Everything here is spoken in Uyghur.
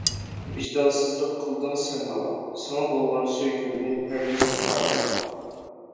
ۋىجدانسىزلىق قىلدىڭ سەن ماڭا، ساڭا بولغان سۆيگۈمنى ھەرگىز خارلىما.